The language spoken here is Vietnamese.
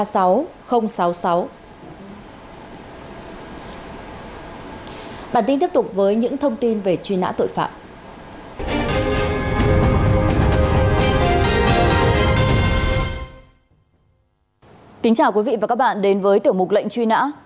chào quý vị và các bạn đến với tiểu mục lệnh truy nã